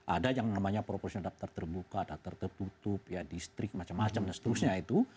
ada yang namanya proporsional daftar terbuka daftar tertutup distrik macam macam dan seterusnya itu